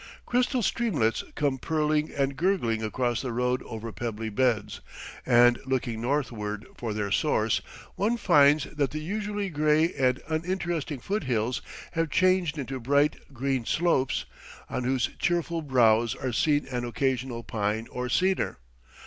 Crystal streamlets come purling and gurgling across the road over pebbly beds; and, looking northward for their source, one finds that the usually gray and uninteresting foot hills have changed into bright, green slopes, on whose cheerful brows are seen an occasional pine or cedar.